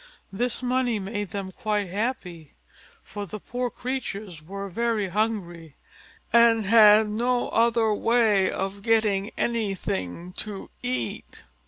This money made them quite happy; for the poor creatures were very hungry, and had no other way of getting anything to eat.